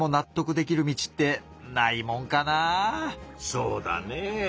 そうだねぇ。